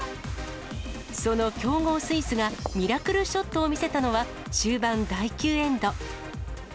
その強豪スイスがミラクルショットを見せたのは、終盤第９エンド。